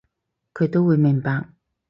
佢都會明白